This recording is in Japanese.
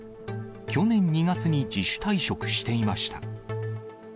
去年２月に自主退職していました。